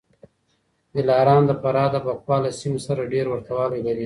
دلارام د فراه د بکواه له سیمې سره ډېر ورته والی لري